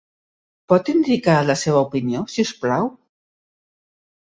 Pot indicar la seva opinió, si us plau?